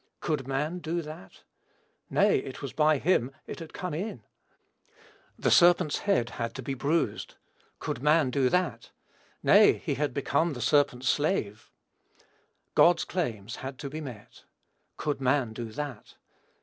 Could man do that? Nay, it was by him it had come in. The serpent's head had to be bruised. Could man do that? Nay, he had become the serpent's slave. God's claims had to be met. Could man do that?